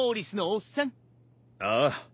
ああ。